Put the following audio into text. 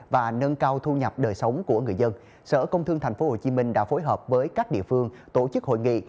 và nâng cao thu nhập đời sống của người dân sở công thương tp hcm đã phối hợp với các địa phương tổ chức hội nghị